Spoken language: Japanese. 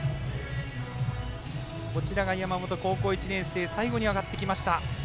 山本、高校１年生最後に上がってきました。